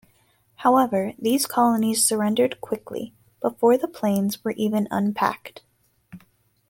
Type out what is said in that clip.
However, these colonies surrendered quickly, before the planes were even unpacked.